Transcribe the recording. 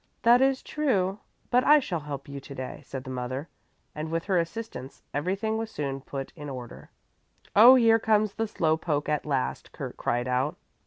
"That is true, but I shall help you to day," said the mother, and with her assistance everything was soon put in order. "Oh, here comes the slow poke at last," Kurt cried out.